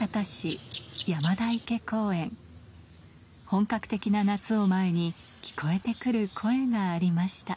本格的な夏を前に聞こえて来る声がありました